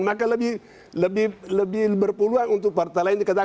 maka lebih berpeluang untuk partai lain dikatakan